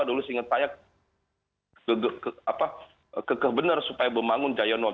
dulu seingat saya kekeh benar supaya membangun giant wall